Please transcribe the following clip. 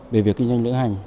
về việc kinh doanh lựa hành